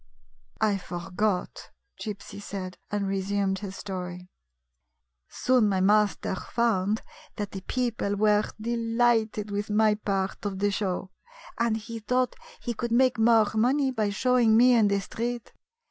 " I forgot," Gypsy said, and resumed his story: " Soon my master found that the people were delighted with my part of the show, and he thought he could make more money by showing me in the street.